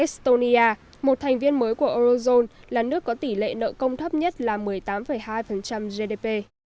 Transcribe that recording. estonia một thành viên mới của eurozone là nước có tỷ lệ nợ công thấp nhất là một mươi tám hai gdp